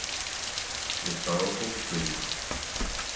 _" THE SORROWFUL TREE.